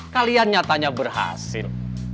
kalian nyatanya berhasil